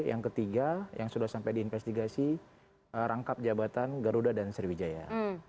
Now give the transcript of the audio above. yang ketiga yang sudah sampai diinvestigasi rangkap jabatan garuda dan sriwijaya